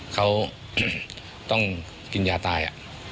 เขาต้องกินยาตาย